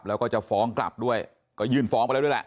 แล้วก็จะฟ้องกลับด้วยก็ยื่นฟ้องไปแล้วด้วยแหละ